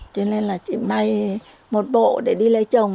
cho nên là chỉ may một bộ để đi lấy chồng